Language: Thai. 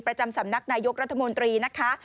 ประจำสำนักนายกรัฐมนตรีนะคะ